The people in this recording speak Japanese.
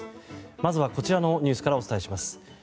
まずは、こちらのニュースからお伝えします。